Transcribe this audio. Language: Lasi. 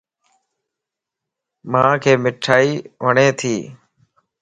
مانک مٺائي وڙتي